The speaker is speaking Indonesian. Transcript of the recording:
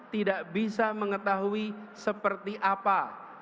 tidak bisa mengetahui seperti apa